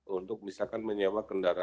untuk misalkan menyewa kendaraan